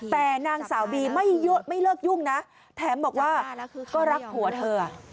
แต่นางสาวบีไม่เลิกยุ่งนะแถมบอกว่าก็รักผัวเธอ